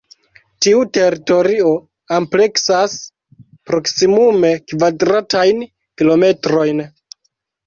Tiu teritorio ampleksas proksimume kvadratajn kilometrojn.